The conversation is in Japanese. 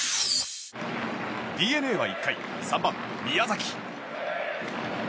ＤｅＮＡは１回３番、宮崎。